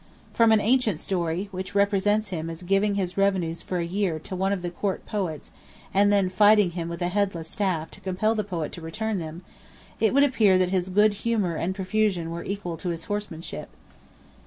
From an ancient story, which represents him as giving his revenues for a year to one of the Court Poets and then fighting him with a "headless staff" to compel the Poet to return them, it would appear that his good humour and profusion were equal to his horsemanship.